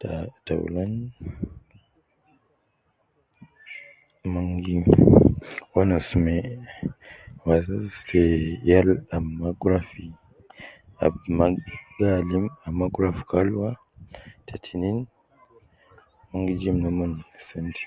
Taa taulan mon gi wonus me wazazi te yal ab ma gi rua fi, ab ma gi alim, ab ma gi rua fi kalwa, te tinin mon gi jib noomon me se